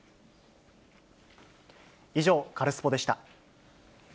以上、カルスポっ！でした。